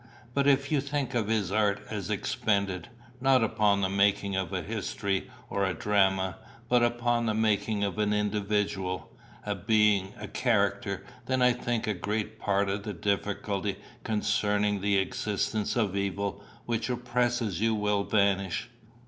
But if you think of his art as expended, not upon the making of a history or a drama, but upon the making of an individual, a being, a character, then I think a great part of the difficulty concerning the existence of evil which oppresses you will vanish.